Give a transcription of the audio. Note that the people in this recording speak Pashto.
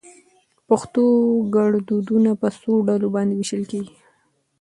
پښتو ګړدودونه په څو ډلو باندي ويشل کېږي؟